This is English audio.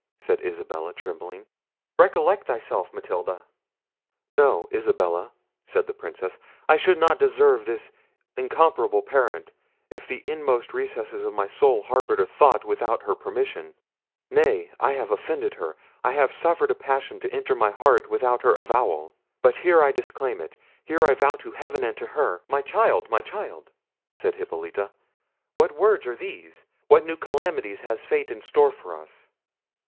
said Isabella trembling. "Recollect thyself, Matilda." "No, Isabella," said the Princess, "I should not deserve this incomparable parent, if the inmost recesses of my soul harboured a thought without her permission—nay, I have offended her; I have suffered a passion to enter my heart without her avowal—but here I disclaim it; here I vow to heaven and her—" "My child! my child;" said Hippolita, "what words are these! what new calamities has fate in store for us!